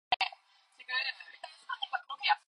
그러면 운명의 바퀴를 붙들어 잡은 것이다.